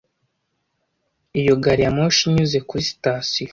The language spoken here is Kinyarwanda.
Iyo gari ya moshi inyuze kuri sitasiyo,